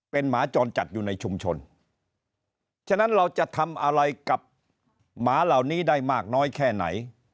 เป็นหมาจรจัดอยู่ในชุมชนฉะนั้นเราจะทำอะไรกับหมาเหล่านี้ได้มากน้อยแค่ไหน